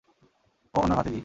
ও উনার ভাতিজী।